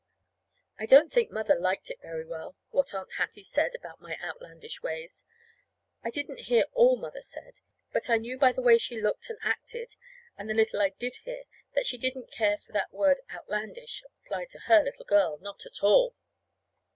I don't think Mother liked it very well what Aunt Hattie said about my outlandish ways. I didn't hear all Mother said, but I knew by the way she looked and acted, and the little I did hear, that she didn't care for that word "outlandish" applied to her little girl not at all.